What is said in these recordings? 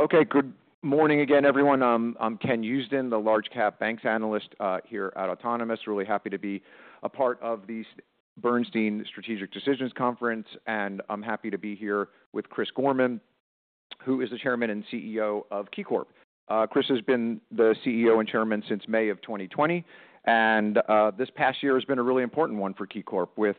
Okay, good morning again, everyone. I'm Ken Usdin, the Large-Cap Banks Analyst here at Autonomous. Really happy to be a part of this Bernstein Strategic Decisions Conference, and I'm happy to be here with Chris Gorman, who is the Chairman and CEO of KeyCorp. Chris has been the CEO and Chairman since May of 2020, and this past year has been a really important one for KeyCorp, with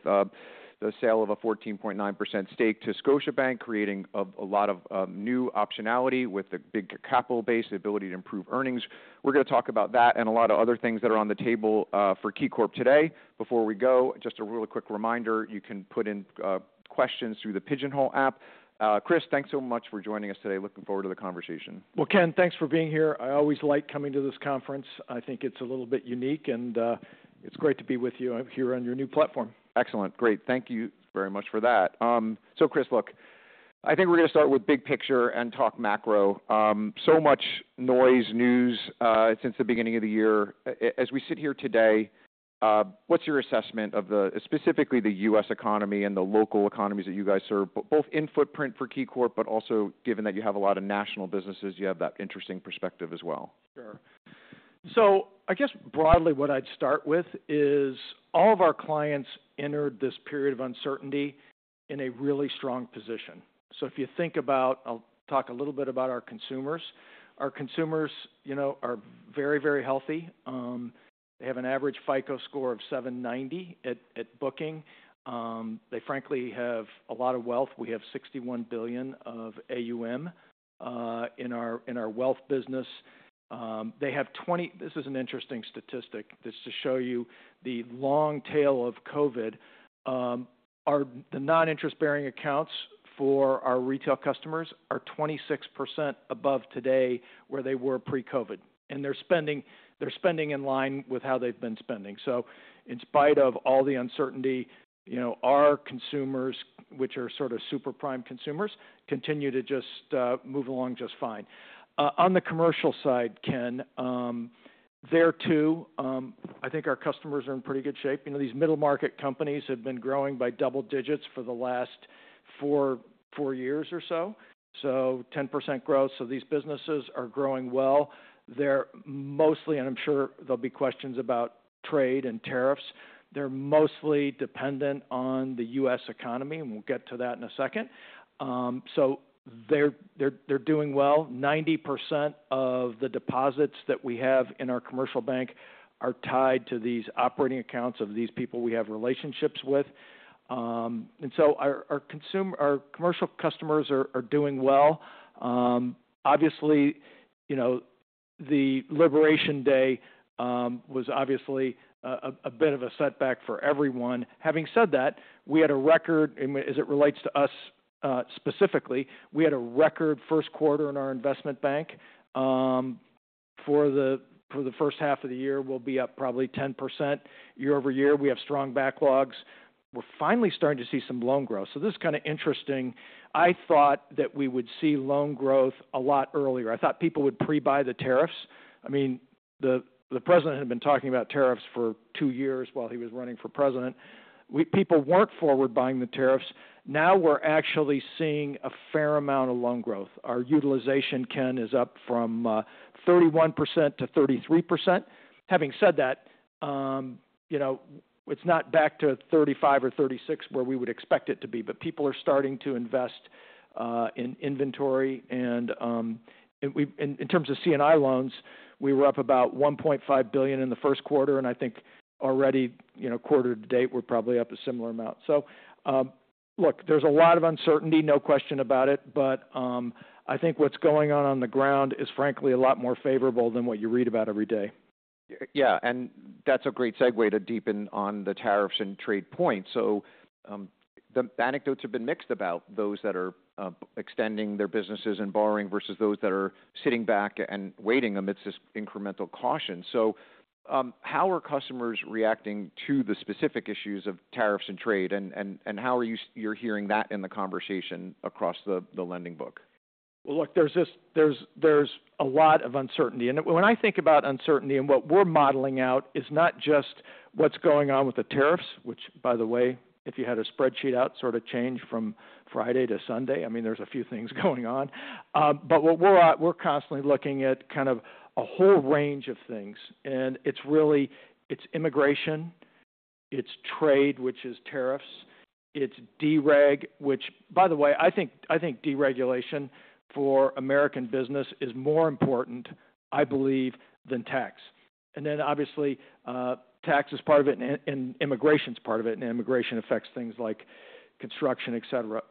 the sale of a 14.9% stake to Scotiabank, creating a lot of new optionality with the big capital base, the ability to improve earnings. We're going to talk about that and a lot of other things that are on the table for KeyCorp today. Before we go, just a really quick reminder: you can put in questions through the Pigeonhole app. Chris, thanks so much for joining us today. Looking forward to the conversation. Ken, thanks for being here. I always like coming to this conference. I think it's a little bit unique, and it's great to be with you here on your new platform. Excellent. Great. Thank you very much for that. Chris, look, I think we're going to start with big picture and talk macro. So much noise, news since the beginning of the year. As we sit here today, what's your assessment of specifically the U.S. economy and the local economies that you guys serve, both in footprint for KeyCorp, but also given that you have a lot of national businesses, you have that interesting perspective as well? Sure. I guess broadly what I'd start with is all of our clients entered this period of uncertainty in a really strong position. If you think about, I'll talk a little bit about our consumers. Our consumers are very, very healthy. They have an average FICO score of 790 at booking. They, frankly, have a lot of wealth. We have $61 billion of AUM in our wealth business. They have 20, this is an interesting statistic, this to show you the long tail of COVID. The non-interest-bearing accounts for our retail customers are 26% above today where they were pre-COVID, and they're spending in line with how they've been spending. In spite of all the uncertainty, our consumers, which are sort of super prime consumers, continue to just move along just fine. On the commercial side, Ken, there, too, I think our customers are in pretty good shape. These middle-market companies have been growing by double digits for the last four years or so, so 10% growth. These businesses are growing well. They're mostly—and I'm sure there'll be questions about trade and tariffs—they're mostly dependent on the U.S. economy, and we'll get to that in a second. They're doing well. 90% of the deposits that we have in our commercial bank are tied to these operating accounts of these people we have relationships with. Our commercial customers are doing well. Obviously, the liberation day was obviously a bit of a setback for everyone. Having said that, we had a record—as it relates to us specifically—we had a record first quarter in our investment bank. For the first half of the year, we'll be up probably 10% year-over-year. We have strong backlogs. We're finally starting to see some loan growth. This is kind of interesting. I thought that we would see loan growth a lot earlier. I thought people would pre-buy the tariffs. I mean, the president had been talking about tariffs for two years while he was running for president. People were not forward-buying the tariffs. Now we are actually seeing a fair amount of loan growth. Our utilization, Ken, is up from 31% to 33%. Having said that, it is not back to 35% or 36% where we would expect it to be, but people are starting to invest in inventory. In terms of C&I loans, we were up about $1.5 billion in the first quarter, and I think already quarter to date, we are probably up a similar amount. Look, there's a lot of uncertainty, no question about it, but I think what's going on on the ground is, frankly, a lot more favorable than what you read about every day. Yeah, and that's a great segue to deepen on the tariffs and trade points. The anecdotes have been mixed about those that are extending their businesses and borrowing versus those that are sitting back and waiting amidst this incremental caution. How are customers reacting to the specific issues of tariffs and trade, and how are you hearing that in the conversation across the lending book? Look, there's a lot of uncertainty. When I think about uncertainty and what we're modeling out, it's not just what's going on with the tariffs, which, by the way, if you had a spreadsheet out, sort of change from Friday to Sunday, I mean, there's a few things going on. We're constantly looking at kind of a whole range of things, and it's immigration, it's trade, which is tariffs, it's dereg, which, by the way, I think deregulation for American business is more important, I believe, than tax. Obviously, tax is part of it, and immigration is part of it, and immigration affects things like construction, etc.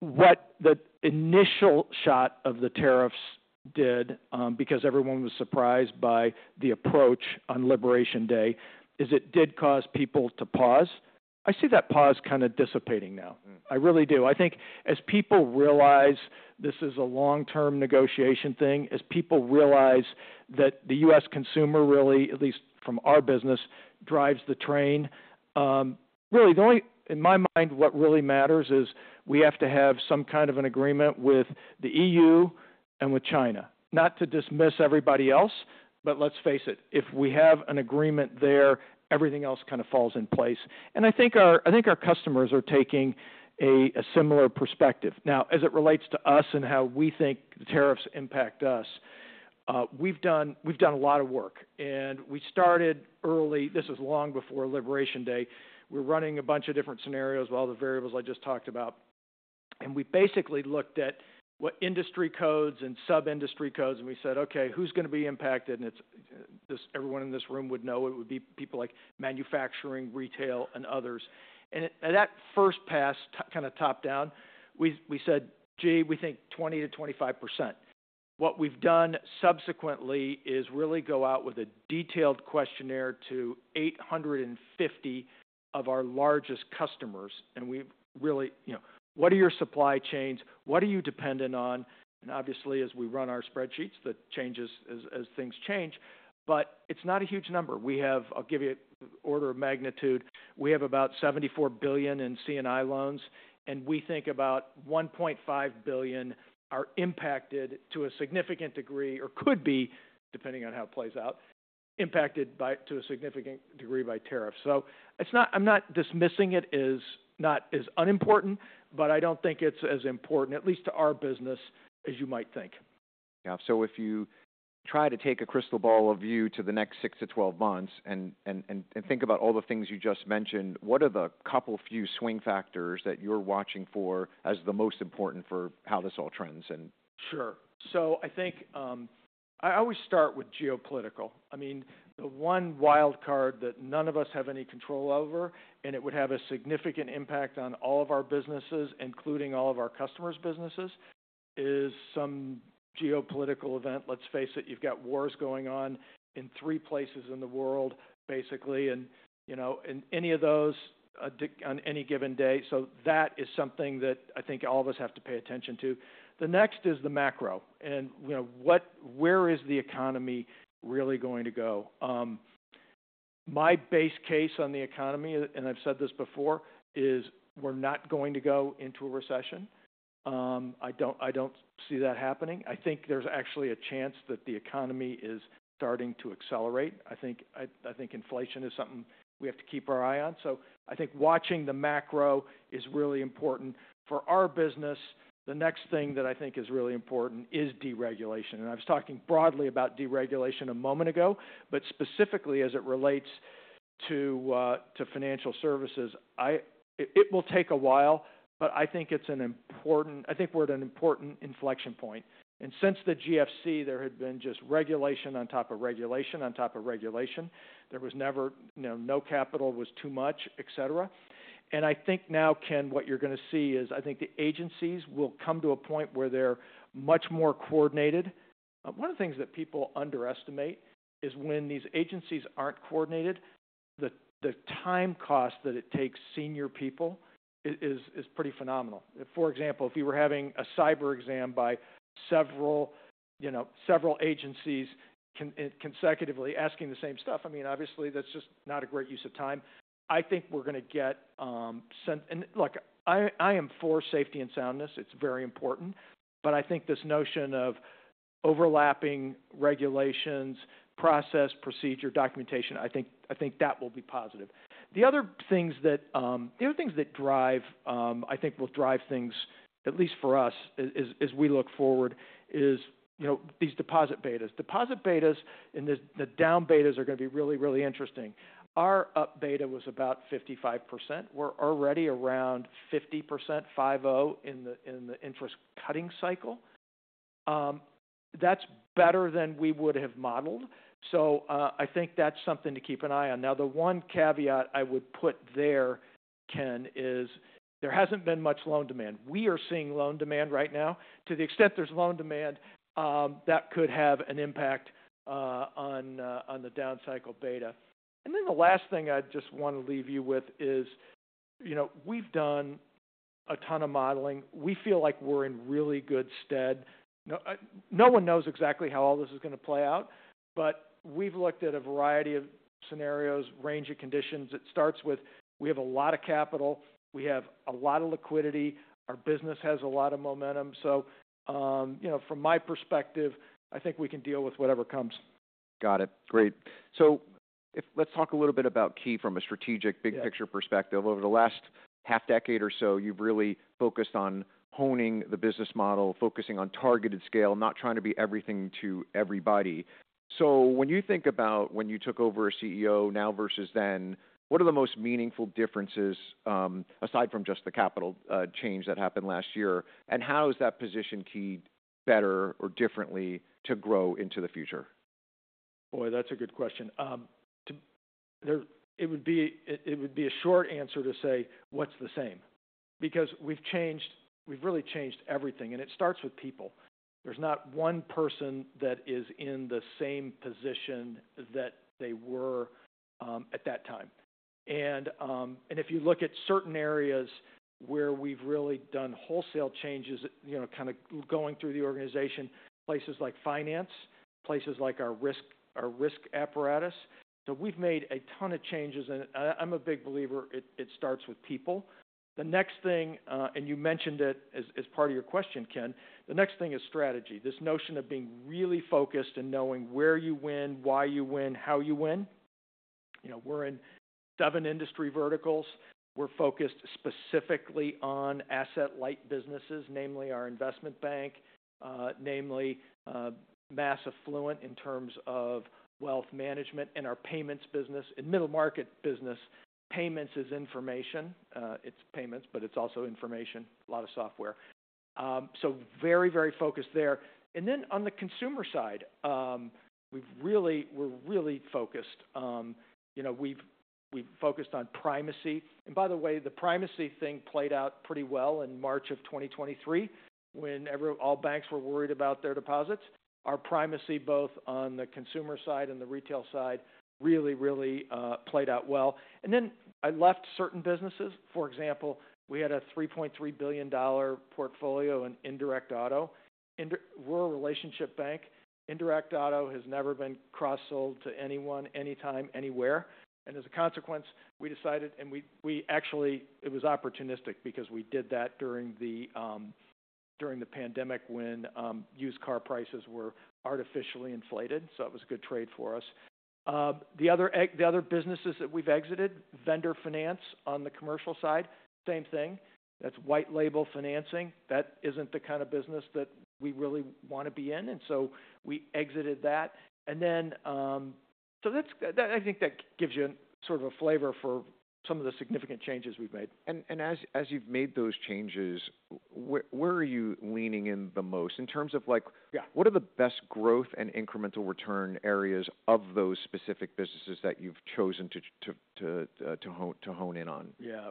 What the initial shot of the tariffs did, because everyone was surprised by the approach on liberation day, is it did cause people to pause. I see that pause kind of dissipating now. I really do. I think as people realize this is a long-term negotiation thing, as people realize that the U.S. consumer really, at least from our business, drives the train, really, in my mind, what really matters is we have to have some kind of an agreement with the EU and with China. Not to dismiss everybody else, but let's face it, if we have an agreement there, everything else kind of falls in place. I think our customers are taking a similar perspective. Now, as it relates to us and how we think the tariffs impact us, we've done a lot of work, and we started early. This was long before liberation day. We're running a bunch of different scenarios with all the variables I just talked about, and we basically looked at what industry codes and sub-industry codes, and we said, "Okay, who's going to be impacted?" Everyone in this room would know it would be people like manufacturing, retail, and others. At that first pass, kind of top-down, we said, "Gee, we think 20%-25%." What we've done subsequently is really go out with a detailed questionnaire to 850 of our largest customers, and we really—what are your supply chains? What are you dependent on? Obviously, as we run our spreadsheets, that changes as things change, but it's not a huge number. We have—I'll give you an order of magnitude—we have about $74 billion in C&I loans, and we think about $1.5 billion are impacted to a significant degree, or could be, depending on how it plays out, impacted to a significant degree by tariffs. I am not dismissing it as not as unimportant, but I do not think it is as important, at least to our business, as you might think. Yeah. If you try to take a crystal ball view to the next 6 to 12 months and think about all the things you just mentioned, what are the couple few swing factors that you're watching for as the most important for how this all trends? Sure. I think I always start with geopolitical. I mean, the one wild card that none of us have any control over, and it would have a significant impact on all of our businesses, including all of our customers' businesses, is some geopolitical event. Let's face it, you've got wars going on in three places in the world, basically, and any of those on any given day. That is something that I think all of us have to pay attention to. The next is the macro, and where is the economy really going to go? My base case on the economy, and I've said this before, is we're not going to go into a recession. I don't see that happening. I think there's actually a chance that the economy is starting to accelerate. I think inflation is something we have to keep our eye on. I think watching the macro is really important for our business. The next thing that I think is really important is deregulation. I was talking broadly about deregulation a moment ago, but specifically as it relates to financial services, it will take a while, but I think it's an important—I think we're at an important inflection point. Since the GFC, there had been just regulation on top of regulation on top of regulation. There was never—no capital was too much, etc. I think now, Ken, what you're going to see is I think the agencies will come to a point where they're much more coordinated. One of the things that people underestimate is when these agencies aren't coordinated, the time cost that it takes senior people is pretty phenomenal. For example, if you were having a cyber exam by several agencies consecutively asking the same stuff, I mean, obviously, that's just not a great use of time. I think we're going to get—and look, I am for safety and soundness. It's very important, but I think this notion of overlapping regulations, process, procedure, documentation, I think that will be positive. The other things that drive, I think will drive things, at least for us, as we look forward, is these deposit betas. Deposit betas and the down betas are going to be really, really interesting. Our up beta was about 55%. We're already around 50%, 50 in the interest cutting cycle. That's better than we would have modeled. I think that's something to keep an eye on. Now, the one caveat I would put there, Ken, is there hasn't been much loan demand. We are seeing loan demand right now. To the extent there's loan demand, that could have an impact on the down cycle beta. The last thing I just want to leave you with is we've done a ton of modeling. We feel like we're in really good stead. No one knows exactly how all this is going to play out, but we've looked at a variety of scenarios, range of conditions. It starts with we have a lot of capital, we have a lot of liquidity, our business has a lot of momentum. From my perspective, I think we can deal with whatever comes. Got it. Great. Let's talk a little bit about Key from a strategic, big picture perspective. Over the last half decade or so, you've really focused on honing the business model, focusing on targeted scale, not trying to be everything to everybody. When you think about when you took over as CEO, now versus then, what are the most meaningful differences aside from just the capital change that happened last year? How has that positioned Key better or differently to grow into the future? Boy, that's a good question. It would be a short answer to say, "What's the same?" because we've really changed everything, and it starts with people. There's not one person that is in the same position that they were at that time. If you look at certain areas where we've really done wholesale changes, kind of going through the organization, places like finance, places like our risk apparatus, we've made a ton of changes, and I'm a big believer it starts with people. The next thing—you mentioned it as part of your question, Ken—the next thing is strategy. This notion of being really focused and knowing where you win, why you win, how you win. We're in seven industry verticals. We're focused specifically on asset-light businesses, namely our investment bank, namely mass affluent in terms of wealth management, and our payments business and middle-market business. Payments is information. It is payments, but it is also information, a lot of software. Very, very focused there. On the consumer side, we are really focused. We have focused on primacy. By the way, the primacy thing played out pretty well in March of 2023 when all banks were worried about their deposits. Our primacy, both on the consumer side and the retail side, really, really played out well. I left certain businesses. For example, we had a $3.3 billion portfolio in Indirect Auto. We are a relationship bank. Indirect Auto has never been cross-sold to anyone, anytime, anywhere. As a consequence, we decided—it was opportunistic because we did that during the pandemic when used car prices were artificially inflated, so it was a good trade for us. The other businesses that we have exited, vendor finance on the commercial side, same thing. That is white-label financing. That isn't the kind of business that we really want to be in, and so we exited that. I think that gives you sort of a flavor for some of the significant changes we've made. As you've made those changes, where are you leaning in the most? In terms of what are the best growth and incremental return areas of those specific businesses that you've chosen to hone in on? Yeah.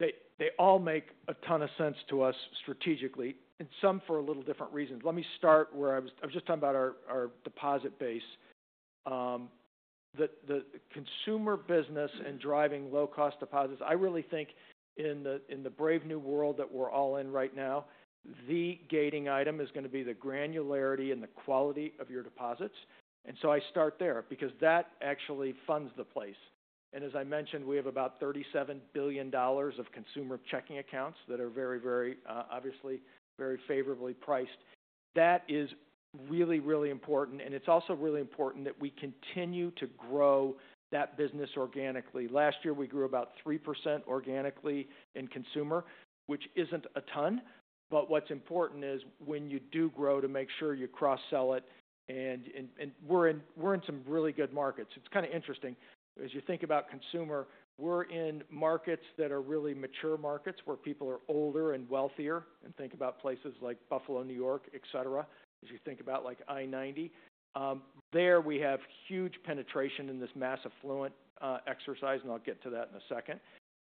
They all make a ton of sense to us strategically, and some for a little different reason. Let me start where I was—I was just talking about our deposit base. The consumer business and driving low-cost deposits, I really think in the brave new world that we are all in right now, the gating item is going to be the granularity and the quality of your deposits. I start there because that actually funds the place. As I mentioned, we have about $37 billion of consumer checking accounts that are very, very—obviously, very favorably priced. That is really, really important, and it is also really important that we continue to grow that business organically. Last year, we grew about 3% organically in consumer, which is not a ton, but what is important is when you do grow to make sure you cross-sell it. We're in some really good markets. It's kind of interesting. As you think about consumer, we're in markets that are really mature markets where people are older and wealthier. Think about places like Buffalo, New York, etc. As you think about I-90, there we have huge penetration in this mass affluent exercise, and I'll get to that in a second.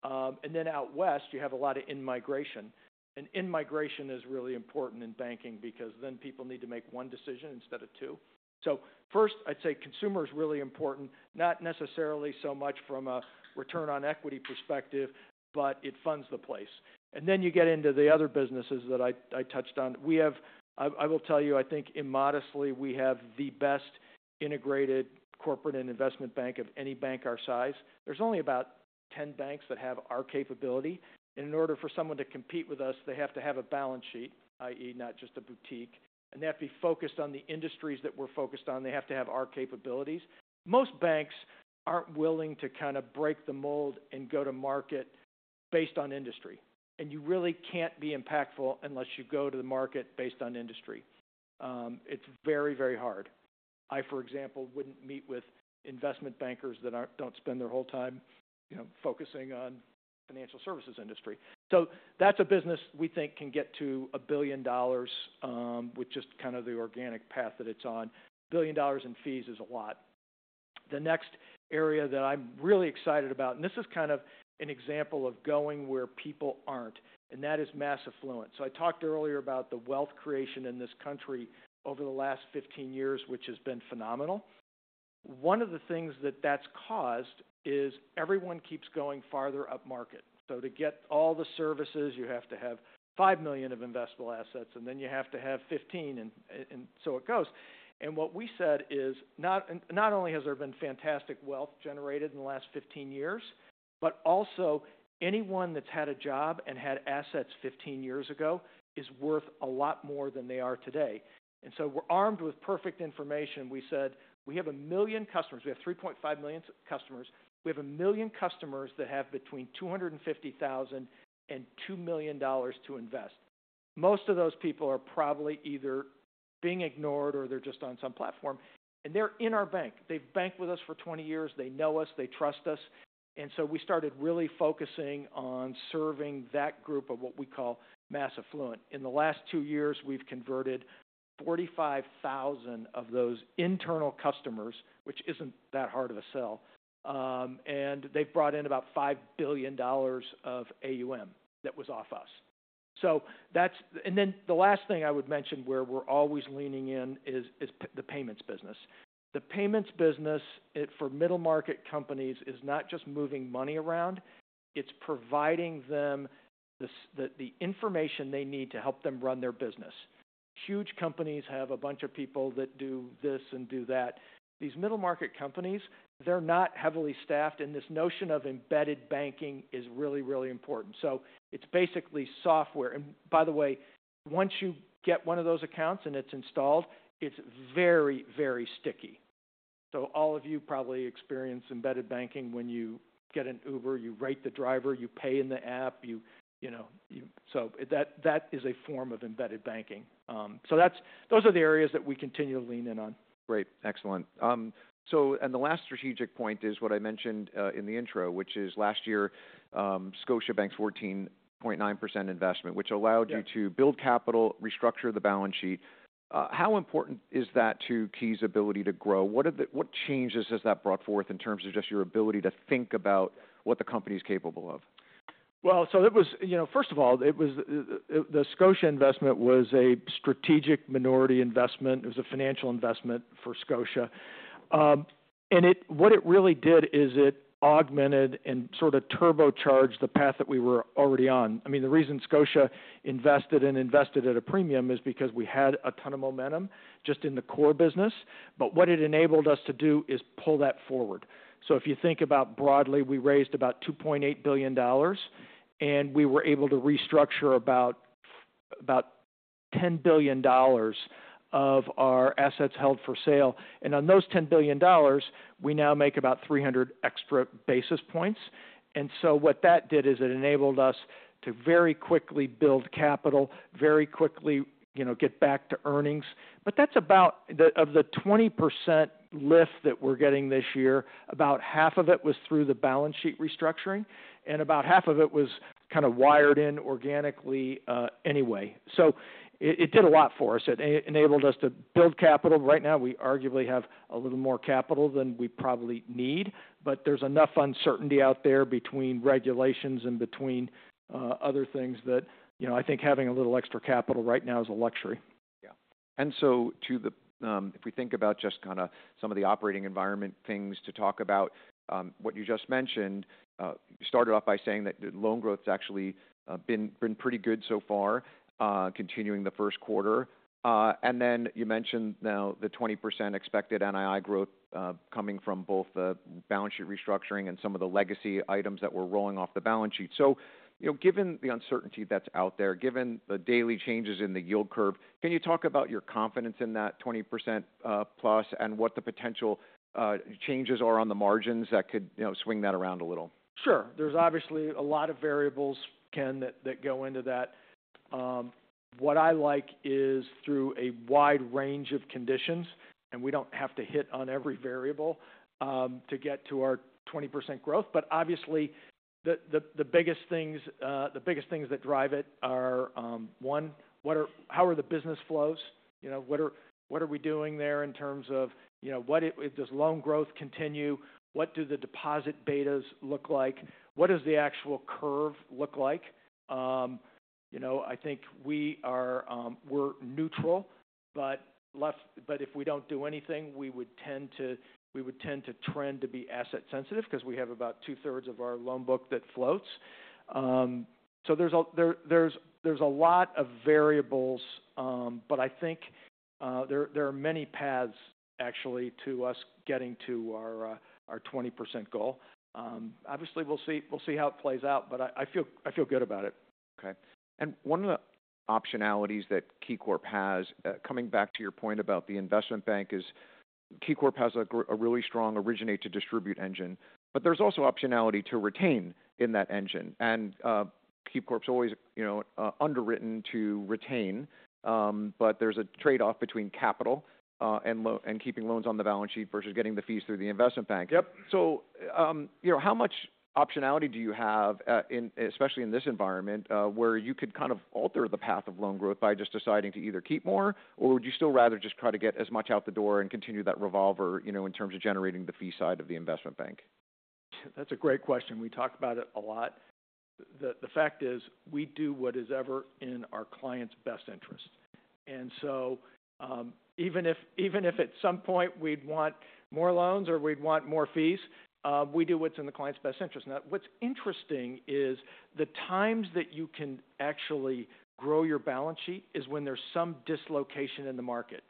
Out west, you have a lot of in-migration. In-migration is really important in banking because then people need to make one decision instead of two. First, I'd say consumer is really important, not necessarily so much from a return on equity perspective, but it funds the place. Then you get into the other businesses that I touched on. I will tell you, I think immodestly, we have the best integrated corporate and investment bank of any bank our size. There's only about 10 banks that have our capability. In order for someone to compete with us, they have to have a balance sheet, i.e., not just a boutique. They have to be focused on the industries that we're focused on. They have to have our capabilities. Most banks aren't willing to kind of break the mold and go to market based on industry. You really can't be impactful unless you go to the market based on industry. It's very, very hard. I, for example, wouldn't meet with investment bankers that don't spend their whole time focusing on the financial services industry. That's a business we think can get to $1 billion with just kind of the organic path that it's on. $1 billion in fees is a lot. The next area that I'm really excited about, and this is kind of an example of going where people aren't, and that is mass affluence. I talked earlier about the wealth creation in this country over the last 15 years, which has been phenomenal. One of the things that that's caused is everyone keeps going farther up market. To get all the services, you have to have $5 million of investable assets, and then you have to have $15 million, and so it goes. What we said is not only has there been fantastic wealth generated in the last 15 years, but also anyone that's had a job and had assets 15 years ago is worth a lot more than they are today. We're armed with perfect information. We said we have a million customers. We have 3.5 million customers. We have a million customers that have between $250,000 and $2 million to invest. Most of those people are probably either being ignored or they're just on some platform. They're in our bank. They've banked with us for 20 years. They know us. They trust us. We started really focusing on serving that group of what we call mass affluent. In the last two years, we've converted 45,000 of those internal customers, which isn't that hard of a sell. They've brought in about $5 billion of AUM that was off us. The last thing I would mention where we're always leaning in is the payments business. The payments business for middle-market companies is not just moving money around. It's providing them the information they need to help them run their business. Huge companies have a bunch of people that do this and do that. These middle-market companies, they're not heavily staffed, and this notion of embedded banking is really, really important. It is basically software. By the way, once you get one of those accounts and it is installed, it is very, very sticky. All of you probably experience embedded banking when you get an Uber, you rate the driver, you pay in the app. That is a form of embedded banking. Those are the areas that we continue to lean in on. Great. Excellent. The last strategic point is what I mentioned in the intro, which is last year, Scotiabank's 14.9% investment, which allowed you to build capital, restructure the balance sheet. How important is that to Key's ability to grow? What changes has that brought forth in terms of just your ability to think about what the company is capable of? First of all, the Scotia Investment was a strategic minority investment. It was a financial investment for Scotia. What it really did is it augmented and sort of turbocharged the path that we were already on. I mean, the reason Scotia invested and invested at a premium is because we had a ton of momentum just in the core business. What it enabled us to do is pull that forward. If you think about broadly, we raised about $2.8 billion, and we were able to restructure about $10 billion of our assets held for sale. On those $10 billion, we now make about 300 extra basis points. What that did is it enabled us to very quickly build capital, very quickly get back to earnings. That's about of the 20% lift that we're getting this year. About half of it was through the balance sheet restructuring, and about half of it was kind of wired in organically anyway. It did a lot for us. It enabled us to build capital. Right now, we arguably have a little more capital than we probably need, but there's enough uncertainty out there between regulations and between other things that I think having a little extra capital right now is a luxury. Yeah. If we think about just kind of some of the operating environment things to talk about, what you just mentioned, you started off by saying that loan growth has actually been pretty good so far, continuing the first quarter. You mentioned now the 20% expected NII growth coming from both the balance sheet restructuring and some of the legacy items that we're rolling off the balance sheet. Given the uncertainty that's out there, given the daily changes in the yield curve, can you talk about your confidence in that 20%+ and what the potential changes are on the margins that could swing that around a little? Sure. There's obviously a lot of variables, Ken, that go into that. What I like is through a wide range of conditions, and we don't have to hit on every variable to get to our 20% growth. Obviously, the biggest things that drive it are, one, how are the business flows? What are we doing there in terms of does loan growth continue? What do the deposit betas look like? What does the actual curve look like? I think we're neutral, but if we don't do anything, we would tend to trend to be asset-sensitive because we have about two-thirds of our loan book that floats. So there's a lot of variables, but I think there are many paths, actually, to us getting to our 20% goal. Obviously, we'll see how it plays out, but I feel good about it. Okay. One of the optionalities that KeyCorp has, coming back to your point about the investment bank, is KeyCorp has a really strong originate-to-distribute engine, but there's also optionality to retain in that engine. KeyCorp's always underwritten to retain, but there's a trade-off between capital and keeping loans on the balance sheet versus getting the fees through the investment bank. Yep. How much optionality do you have, especially in this environment, where you could kind of alter the path of loan growth by just deciding to either keep more, or would you still rather just try to get as much out the door and continue that revolver in terms of generating the fee side of the investment bank? That's a great question. We talk about it a lot. The fact is we do what is ever in our client's best interest. Even if at some point we'd want more loans or we'd want more fees, we do what's in the client's best interest. Now, what's interesting is the times that you can actually grow your balance sheet is when there's some dislocation in the market.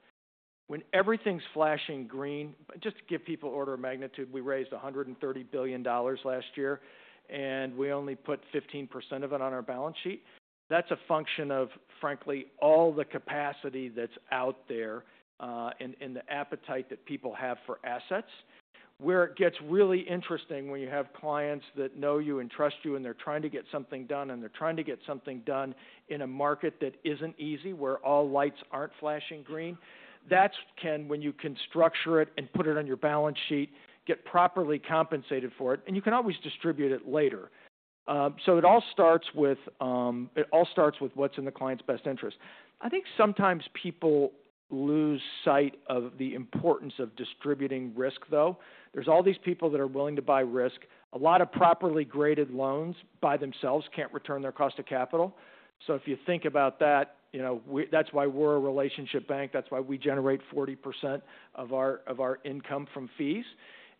When everything's flashing green, just to give people order of magnitude, we raised $130 billion last year, and we only put 15% of it on our balance sheet. That's a function of, frankly, all the capacity that's out there and the appetite that people have for assets. Where it gets really interesting when you have clients that know you and trust you, and they're trying to get something done, and they're trying to get something done in a market that isn't easy, where all lights aren't flashing green, that's, Ken, when you can structure it and put it on your balance sheet, get properly compensated for it, and you can always distribute it later. It all starts with what's in the client's best interest. I think sometimes people lose sight of the importance of distributing risk, though. There are all these people that are willing to buy risk. A lot of properly graded loans by themselves can't return their cost of capital. If you think about that, that's why we're a relationship bank. That's why we generate 40% of our income from fees.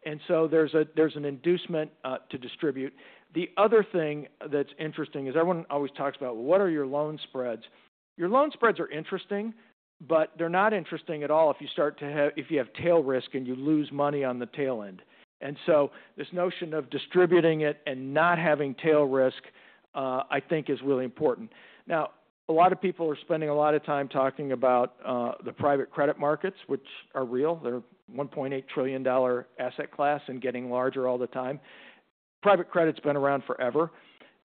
There is an inducement to distribute. The other thing that's interesting is everyone always talks about, well, what are your loan spreads? Your loan spreads are interesting, but they're not interesting at all if you start to have, if you have tail risk and you lose money on the tail end. This notion of distributing it and not having tail risk, I think, is really important. Now, a lot of people are spending a lot of time talking about the private credit markets, which are real. They're a $1.8 trillion asset class and getting larger all the time. Private credit's been around forever.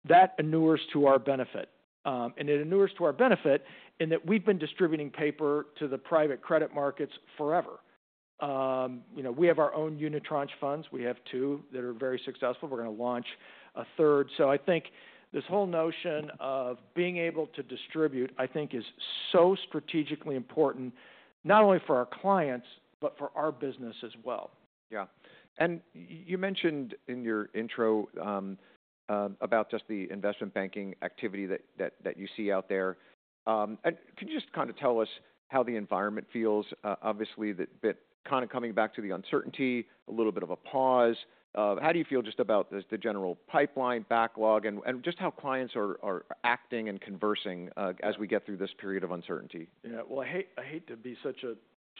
That annuls to our benefit. It annuls to our benefit in that we've been distributing paper to the private credit markets forever. We have our own Unitranche funds. We have two that are very successful. We're going to launch a third. I think this whole notion of being able to distribute, I think, is so strategically important, not only for our clients, but for our business as well. Yeah. You mentioned in your intro about just the investment banking activity that you see out there. Can you just kind of tell us how the environment feels? Obviously, kind of coming back to the uncertainty, a little bit of a pause. How do you feel just about the general pipeline backlog and just how clients are acting and conversing as we get through this period of uncertainty? Yeah. I hate to be such a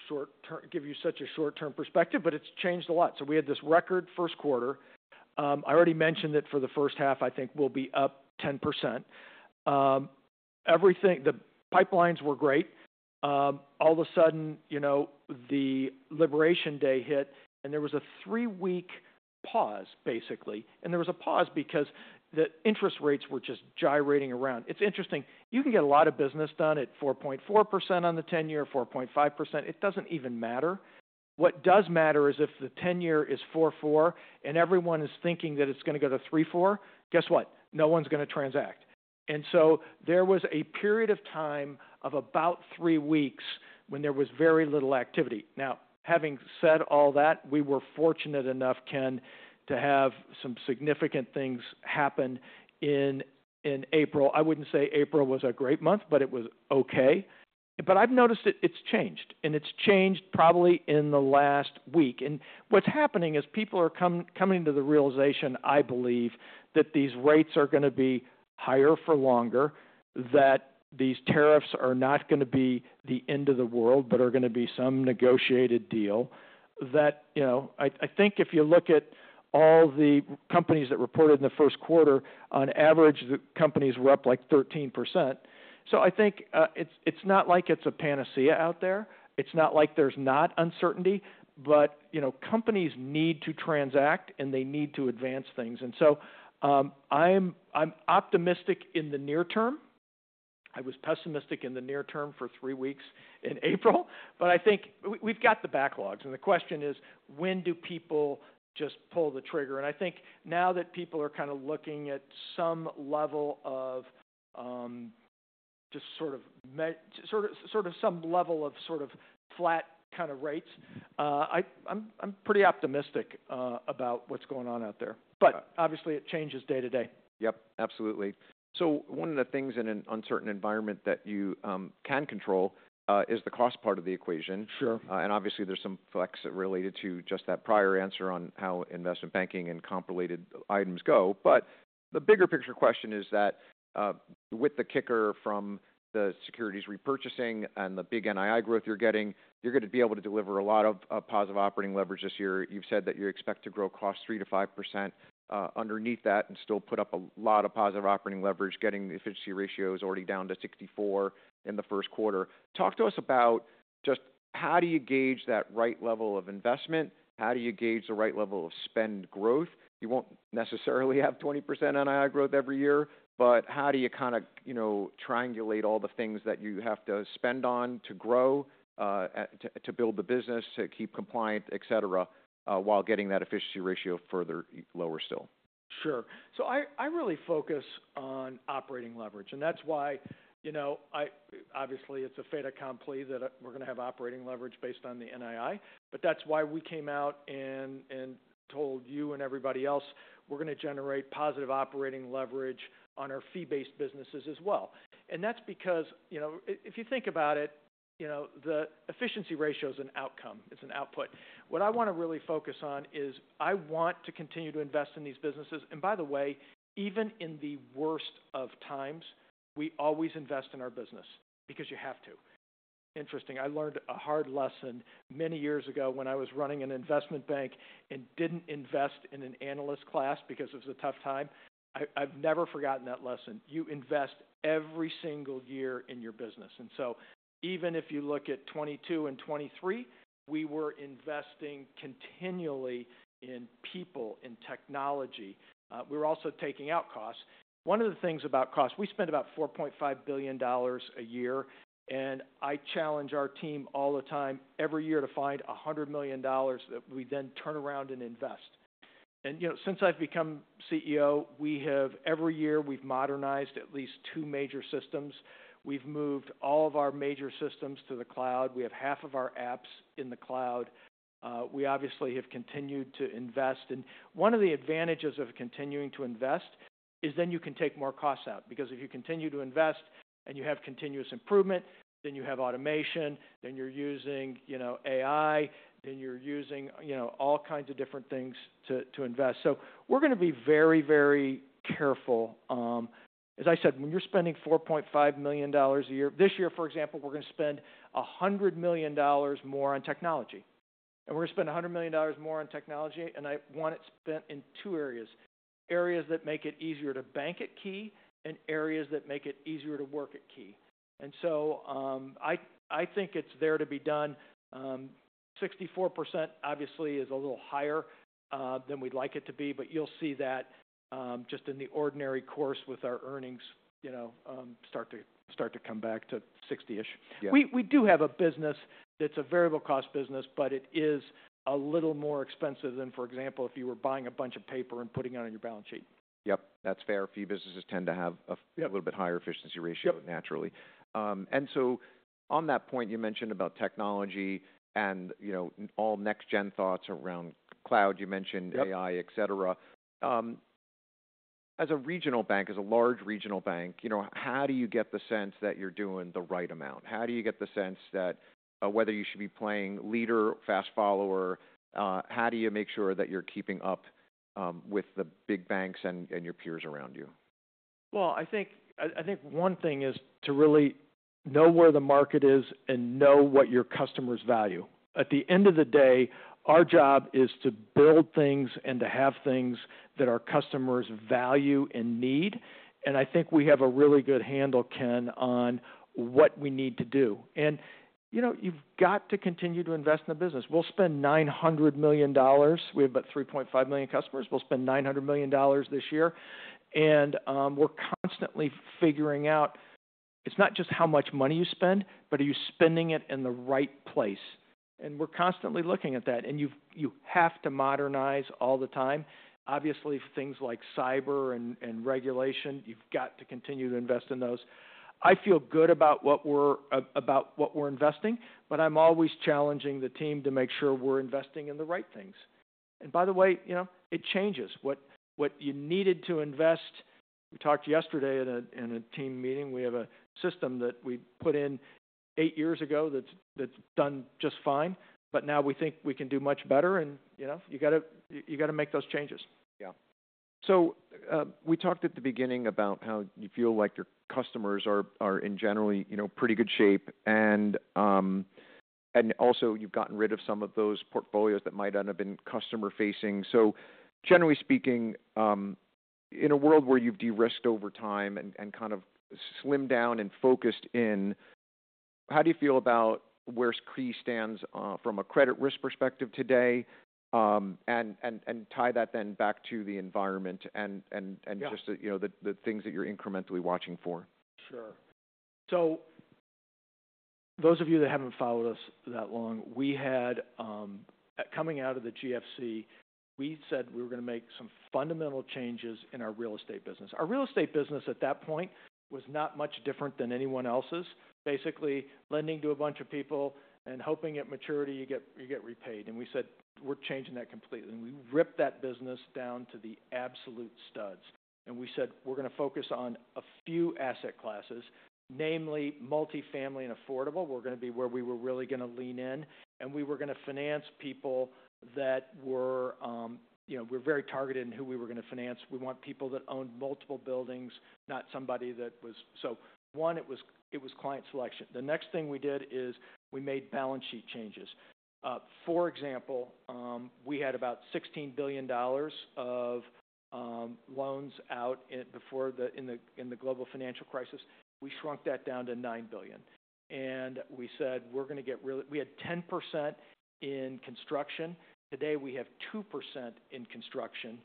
short-term give you such a short-term perspective, but it's changed a lot. We had this record first quarter. I already mentioned that for the first half, I think we'll be up 10%. The pipelines were great. All of a sudden, the liberation day hit, and there was a three-week pause, basically. There was a pause because the interest rates were just gyrating around. It's interesting. You can get a lot of business done at 4.4% on the 10-year, 4.5%. It doesn't even matter. What does matter is if the 10-year is 4.4% and everyone is thinking that it's going to go to 3.4%, guess what? No one's going to transact. There was a period of time of about three weeks when there was very little activity. Now, having said all that, we were fortunate enough, Ken, to have some significant things happen in April. I would not say April was a great month, but it was okay. I have noticed it has changed. It has changed probably in the last week. What is happening is people are coming to the realization, I believe, that these rates are going to be higher for longer, that these tariffs are not going to be the end of the world, but are going to be some negotiated deal. I think if you look at all the companies that reported in the first quarter, on average, the companies were up like 13%. I think it is not like it is a panacea out there. It is not like there is not uncertainty, but companies need to transact, and they need to advance things. I am optimistic in the near-term. I was pessimistic in the near term for three weeks in April. I think we've got the backlogs. The question is, when do people just pull the trigger? I think now that people are kind of looking at some level of just sort of some level of sort of flat kind of rates, I'm pretty optimistic about what's going on out there. Obviously, it changes day to day. Yep. Absolutely. One of the things in an uncertain environment that you can control is the cost part of the equation. Obviously, there's some flex related to just that prior answer on how investment banking and comp-related items go. The bigger picture question is that with the kicker from the securities repurchasing and the big NII growth you're getting, you're going to be able to deliver a lot of positive operating leverage this year. You've said that you expect to grow costs 3%-5% underneath that and still put up a lot of positive operating leverage, getting the efficiency ratios already down to 64% in the first quarter. Talk to us about just how do you gauge that right level of investment? How do you gauge the right level of spend growth? You won't necessarily have 20% NII growth every year, but how do you kind of triangulate all the things that you have to spend on to grow, to build the business, to keep compliant, etc., while getting that efficiency ratio further lower still? Sure. I really focus on operating leverage. That is why, obviously, it is a fait accompli that we are going to have operating leverage based on the NII. That is why we came out and told you and everybody else we are going to generate positive operating leverage on our fee-based businesses as well. That is because, if you think about it, the efficiency ratio is an outcome. It is an output. What I want to really focus on is I want to continue to invest in these businesses. By the way, even in the worst of times, we always invest in our business because you have to. Interesting. I learned a hard lesson many years ago when I was running an investment bank and did not invest in an analyst class because it was a tough time. I have never forgotten that lesson. You invest every single year in your business. Even if you look at 2022 and 2023, we were investing continually in people, in technology. We were also taking out costs. One of the things about costs, we spend about $4.5 billion a year. I challenge our team all the time, every year, to find $100 million that we then turn around and invest. Since I've become CEO, every year, we've modernized at least two major systems. We've moved all of our major systems to the cloud. We have half of our apps in the cloud. We obviously have continued to invest. One of the advantages of continuing to invest is then you can take more costs out. If you continue to invest and you have continuous improvement, then you have automation, then you're using AI, then you're using all kinds of different things to invest. We're going to be very, very careful. As I said, when you're spending $4.5 million a year, this year, for example, we're going to spend $100 million more on technology. We're going to spend $100 million more on technology. I want it spent in two areas: areas that make it easier to bank at Key and areas that make it easier to work at Key. I think it's there to be done. 64% is a little higher than we'd like it to be, but you'll see that just in the ordinary course with our earnings start to come back to 60%-ish. We do have a business that's a variable cost business, but it is a little more expensive than, for example, if you were buying a bunch of paper and putting it on your balance sheet. Yep. That's fair. Few businesses tend to have a little bit higher efficiency ratio, naturally. On that point, you mentioned about technology and all next-gen thoughts around cloud. You mentioned AI, etc. As a regional bank, as a large regional bank, how do you get the sense that you're doing the right amount? How do you get the sense that whether you should be playing leader, fast follower? How do you make sure that you're keeping up with the big banks and your peers around you? I think one thing is to really know where the market is and know what your customers value. At the end of the day, our job is to build things and to have things that our customers value and need. I think we have a really good handle, Ken, on what we need to do. You've got to continue to invest in the business. We'll spend $900 million. We have about 3.5 million customers. We'll spend $900 million this year. We're constantly figuring out it's not just how much money you spend, but are you spending it in the right place? We're constantly looking at that. You have to modernize all the time. Obviously, things like cyber and regulation, you've got to continue to invest in those. I feel good about what we're investing, but I'm always challenging the team to make sure we're investing in the right things. By the way, it changes. What you needed to invest, we talked yesterday in a team meeting. We have a system that we put in eight years ago that's done just fine. Now we think we can do much better. You got to make those changes. Yeah. We talked at the beginning about how you feel like your customers are in generally pretty good shape. Also, you've gotten rid of some of those portfolios that might not have been customer-facing. Generally speaking, in a world where you've de-risked over time and kind of slimmed down and focused in, how do you feel about where Key stands from a credit risk perspective today? Tie that then back to the environment and just the things that you're incrementally watching for. Sure. Those of you that have not followed us that long, coming out of the GFC, we said we were going to make some fundamental changes in our real estate business. Our real estate business at that point was not much different than anyone else's. Basically, lending to a bunch of people and hoping at maturity, you get repaid. We said, "We're changing that completely." We ripped that business down to the absolute studs. We said, "We're going to focus on a few asset classes, namely multifamily and affordable." We were really going to lean in. We were going to finance people that were very targeted in who we were going to finance. We want people that owned multiple buildings, not somebody that was so one, it was client selection. The next thing we did is we made balance sheet changes. For example, we had about $16 billion of loans out before in the global financial crisis. We shrunk that down to $9 billion. We said, "We're going to get really" we had 10% in construction. Today, we have 2% in construction.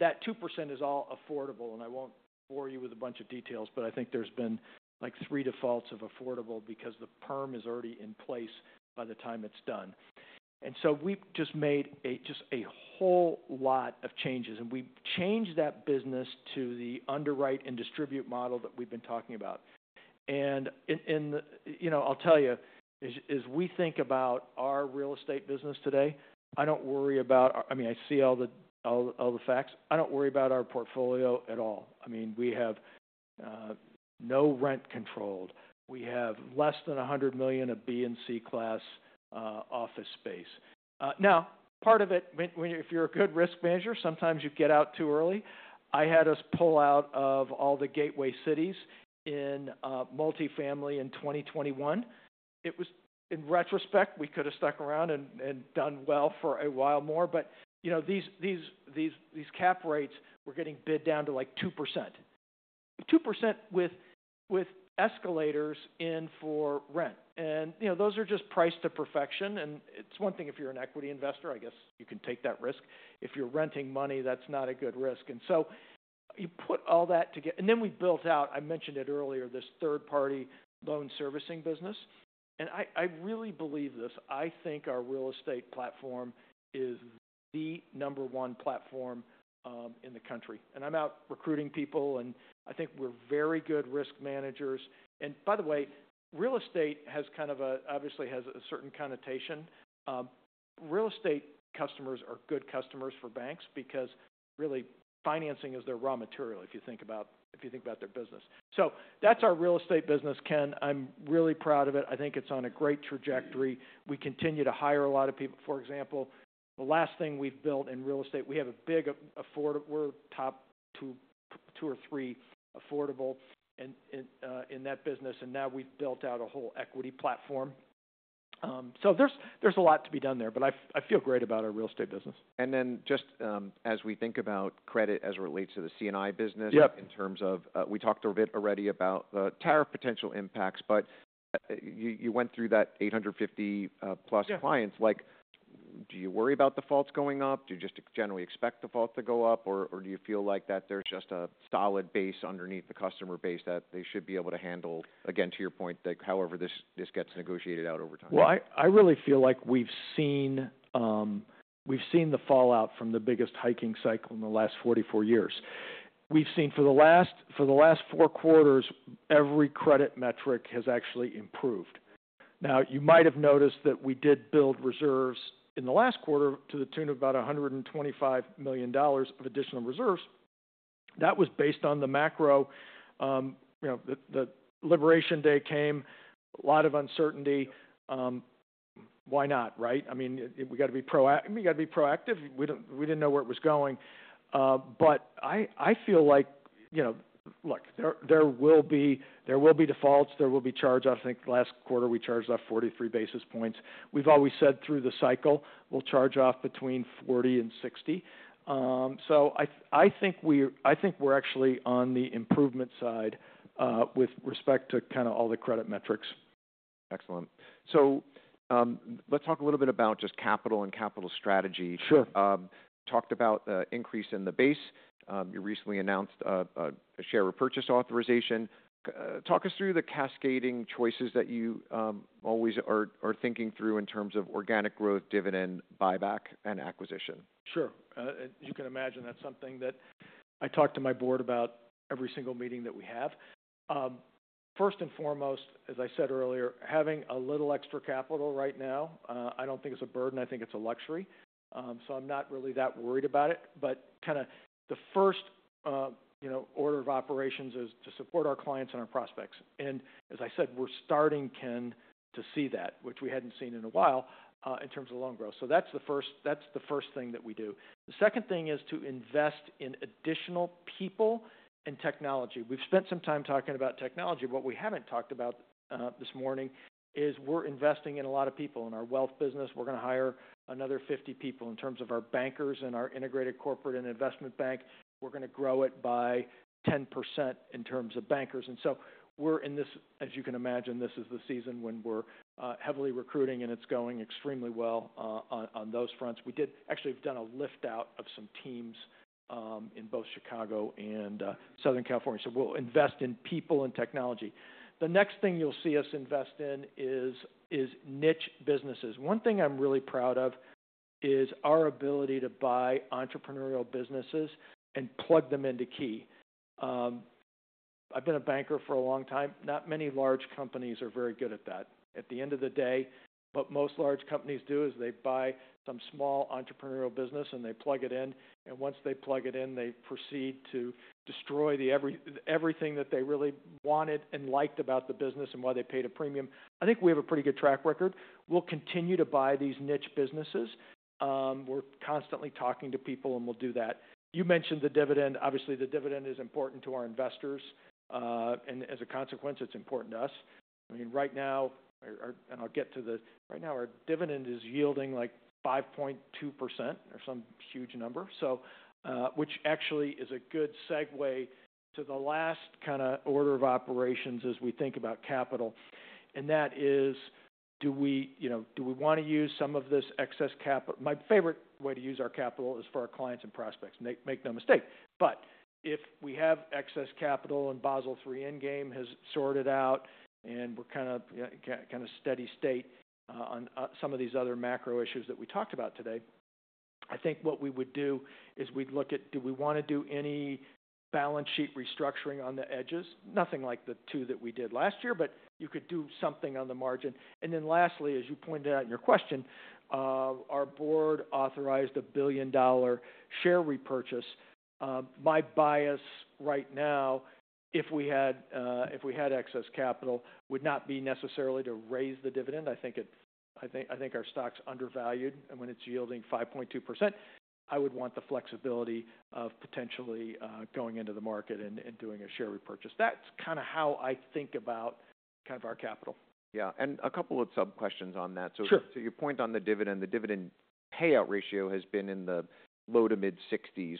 That 2% is all affordable. I won't bore you with a bunch of details, but I think there's been like three defaults of affordable because the perm is already in place by the time it's done. We just made just a whole lot of changes. We changed that business to the underwrite and distribute model that we've been talking about. I'll tell you, as we think about our real estate business today, I don't worry about I mean, I see all the facts. I don't worry about our portfolio at all. I mean, we have no rent controlled. We have less than $100 million of B and C class office space. Now, part of it, if you're a good risk manager, sometimes you get out too early. I had a pull-out of all the gateway cities in multifamily in 2021. It was in retrospect, we could have stuck around and done well for a while more. These cap rates were getting bid down to like 2%. Two percent with escalators in for rent. Those are just priced to perfection. It's one thing if you're an equity investor. I guess you can take that risk. If you're renting money, that's not a good risk. You put all that together. I mentioned it earlier, we built out this third-party loan servicing business. I really believe this. I think our real estate platform is the number one platform in the country. I am out recruiting people. I think we are very good risk managers. By the way, real estate has kind of a, obviously has a certain connotation. Real estate customers are good customers for banks because really financing is their raw material if you think about their business. That is our real estate business, Ken. I am really proud of it. I think it is on a great trajectory. We continue to hire a lot of people. For example, the last thing we have built in real estate, we have a big affordable, we are top two or three affordable in that business. Now we have built out a whole equity platform. There is a lot to be done there. I feel great about our real estate business. Just as we think about credit as it relates to the C&I business in terms of we talked a bit already about the tariff potential impacts. You went through that 850+ clients. Do you worry about defaults going up? Do you just generally expect defaults to go up? Or do you feel like that there's just a solid base underneath the customer base that they should be able to handle? Again, to your point, however this gets negotiated out over time. I really feel like we've seen the fallout from the biggest hiking cycle in the last 44 years. We've seen for the last four quarters, every credit metric has actually improved. Now, you might have noticed that we did build reserves in the last quarter to the tune of about $125 million of additional reserves. That was based on the macro. The liberation day came. A lot of uncertainty. Why not, right? I mean, we got to be proactive. We didn't know where it was going. I feel like, look, there will be defaults. There will be charges. I think last quarter, we charged off 43 basis points. We've always said through the cycle, we'll charge off between 40 basis points and 60 basis points. I think we're actually on the improvement side with respect to kind of all the credit metrics. Excellent. Let's talk a little bit about just capital and capital strategy. You talked about the increase in the base. You recently announced a share repurchase authorization. Talk us through the cascading choices that you always are thinking through in terms of organic growth, dividend, buyback, and acquisition. Sure. As you can imagine, that's something that I talk to my board about every single meeting that we have. First and foremost, as I said earlier, having a little extra capital right now, I don't think it's a burden. I think it's a luxury. I'm not really that worried about it. Kind of the first order of operations is to support our clients and our prospects. As I said, we're starting, Ken, to see that, which we hadn't seen in a while in terms of loan growth. That's the first thing that we do. The second thing is to invest in additional people and technology. We've spent some time talking about technology. What we haven't talked about this morning is we're investing in a lot of people in our wealth business. We're going to hire another 50 people in terms of our bankers and our integrated corporate and investment bank. We're going to grow it by 10% in terms of bankers. As you can imagine, this is the season when we're heavily recruiting. It's going extremely well on those fronts. We did actually have done a lift-out of some teams in both Chicago and Southern California. We'll invest in people and technology. The next thing you'll see us invest in is niche businesses. One thing I'm really proud of is our ability to buy entrepreneurial businesses and plug them into Key. I've been a banker for a long time. Not many large companies are very good at that. At the end of the day, what most large companies do is they buy some small entrepreneurial business and they plug it in. Once they plug it in, they proceed to destroy everything that they really wanted and liked about the business and why they paid a premium. I think we have a pretty good track record. We'll continue to buy these niche businesses. We're constantly talking to people and we'll do that. You mentioned the dividend. Obviously, the dividend is important to our investors. As a consequence, it's important to us. I mean, right now, and I'll get to the right now, our dividend is yielding like 5.2% or some huge number, which actually is a good segue to the last kind of order of operations as we think about capital. That is, do we want to use some of this excess capital? My favorite way to use our capital is for our clients and prospects. Make no mistake. If we have excess capital and Basel III Endgame has sorted out and we're kind of in a steady state on some of these other macro issues that we talked about today, I think what we would do is we'd look at, do we want to do any balance sheet restructuring on the edges? Nothing like the two that we did last year, but you could do something on the margin. Lastly, as you pointed out in your question, our board authorized a $1 billion share repurchase. My bias right now, if we had excess capital, would not be necessarily to raise the dividend. I think our stock's undervalued. When it's yielding 5.2%, I would want the flexibility of potentially going into the market and doing a share repurchase. That's kind of how I think about kind of our capital. Yeah. And a couple of sub-questions on that. Your point on the dividend, the dividend payout ratio has been in the low to mid-60%.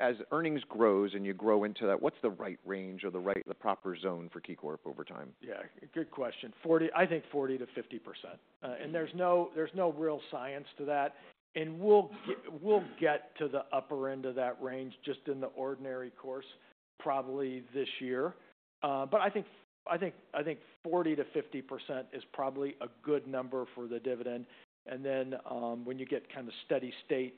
As earnings grows and you grow into that, what's the right range or the proper zone for KeyCorp over time? Yeah. Good question. I think 40%-50%. There's no real science to that. We'll get to the upper end of that range just in the ordinary course probably this year. I think 40%-50% is probably a good number for the dividend. When you get kind of steady state,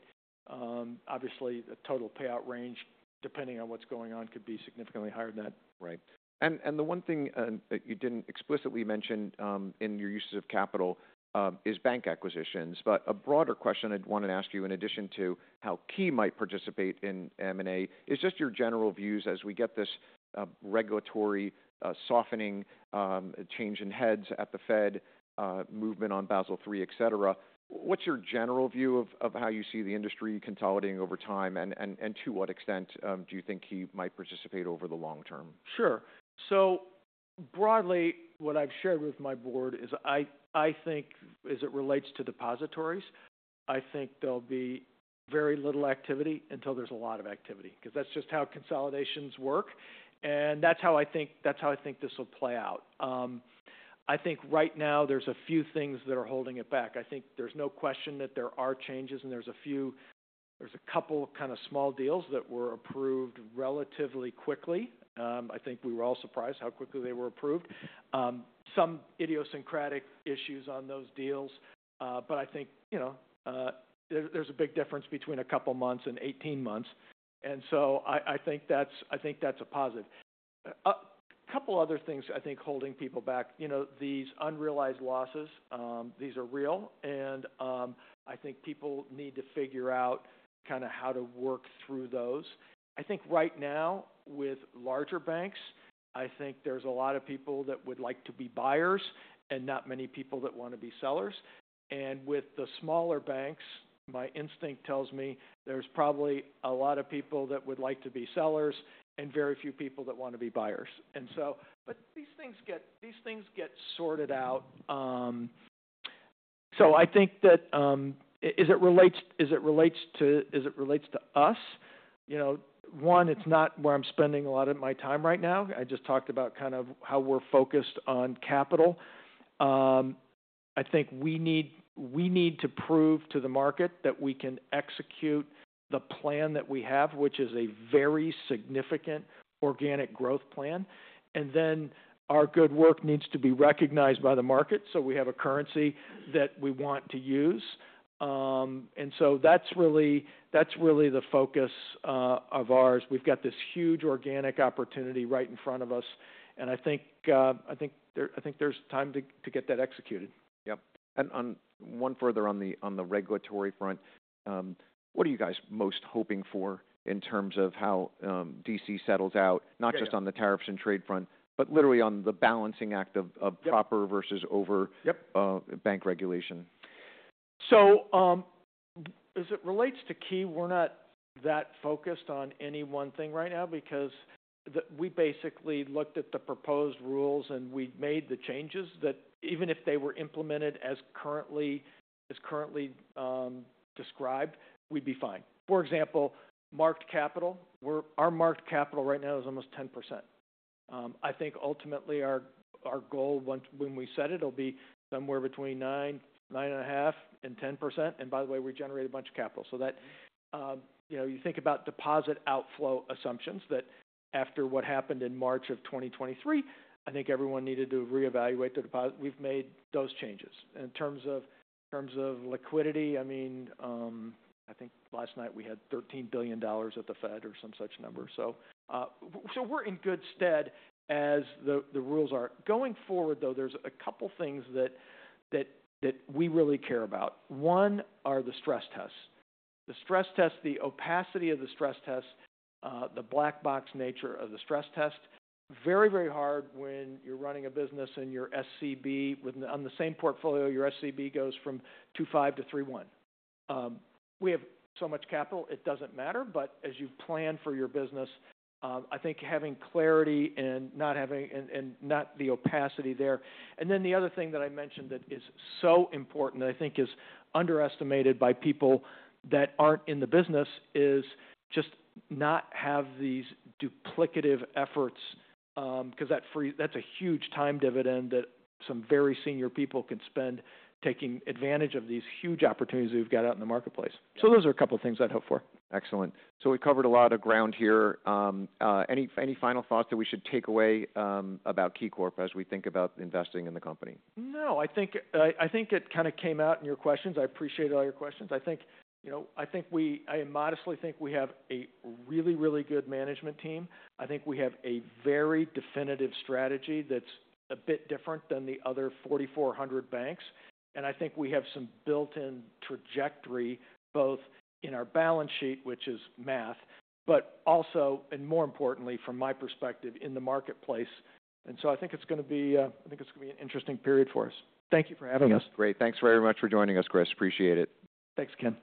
obviously, the total payout range, depending on what's going on, could be significantly higher than that. Right. The one thing that you did not explicitly mention in your uses of capital is bank acquisitions. A broader question I wanted to ask you, in addition to how Key might participate in M&A, is just your general views as we get this regulatory softening, change in heads at the Fed, movement on Basel III, etc. What is your general view of how you see the industry consolidating over time? To what extent do you think Key might participate over the long-term? Sure. Broadly, what I've shared with my board is I think as it relates to depositories, there'll be very little activity until there's a lot of activity because that's just how consolidations work. That's how I think this will play out. Right now, there's a few things that are holding it back. There's no question that there are changes. There's a couple of kind of small deals that were approved relatively quickly. I think we were all surprised how quickly they were approved. Some idiosyncratic issues on those deals. I think there's a big difference between a couple of months and 18 months. I think that's a positive. A couple of other things holding people back, these unrealized losses, these are real. I think people need to figure out kind of how to work through those. Right now, with larger banks, I think there are a lot of people that would like to be buyers and not many people that want to be sellers. With the smaller banks, my instinct tells me there are probably a lot of people that would like to be sellers and very few people that want to be buyers. These things get sorted out. I think that as it relates to us, one, it's not where I'm spending a lot of my time right now. I just talked about kind of how we're focused on capital. I think we need to prove to the market that we can execute the plan that we have, which is a very significant organic growth plan. Our good work needs to be recognized by the market so we have a currency that we want to use. That is really the focus of ours. We have this huge organic opportunity right in front of us. I think there is time to get that executed. Yep. And one further on the regulatory front, what are you guys most hoping for in terms of how D.C. settles out, not just on the tariffs and trade front, but literally on the balancing act of proper versus over bank regulation? As it relates to Key, we're not that focused on any one thing right now because we basically looked at the proposed rules and we made the changes that even if they were implemented as currently described, we'd be fine. For example, marked capital, our marked capital right now is almost 10%. I think ultimately our goal when we set it will be somewhere between 9%, 9.5% and 10%. By the way, we generate a bunch of capital. You think about deposit outflow assumptions that after what happened in March of 2023, I think everyone needed to reevaluate their deposit. We've made those changes. In terms of liquidity, I mean, I think last night we had $13 billion at the Fed or some such number. We're in good stead as the rules are. Going forward, though, there's a couple of things that we really care about. One are the stress tests. The stress test, the opacity of the stress test, the black box nature of the stress test. Very, very hard when you're running a business and your SCB on the same portfolio, your SCB goes from 2.5 to 3.1. We have so much capital. It doesn't matter. As you plan for your business, I think having clarity and not having and not the opacity there. The other thing that I mentioned that is so important that I think is underestimated by people that aren't in the business is just not have these duplicative efforts because that's a huge time dividend that some very senior people can spend taking advantage of these huge opportunities we've got out in the marketplace. Those are a couple of things I'd hope for. Excellent. So we covered a lot of ground here. Any final thoughts that we should take away about KeyCorp as we think about investing in the company? No. I think it kind of came out in your questions. I appreciate all your questions. I think I modestly think we have a really, really good management team. I think we have a very definitive strategy that's a bit different than the other 4,400 banks. I think we have some built-in trajectory both in our balance sheet, which is math, but also, and more importantly, from my perspective, in the marketplace. I think it's going to be an interesting period for us. Thank you for having us. Great. Thanks very much for joining us, Chris. Appreciate it. Thanks, Ken.